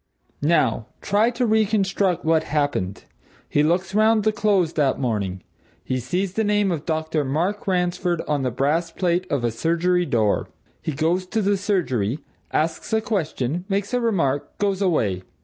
Now, try to reconstruct what happened. He looks round the Close that morning. He sees the name of Dr. Mark Ransford on the brass plate of a surgery door. He goes to the surgery, asks a question, makes a remark, goes away.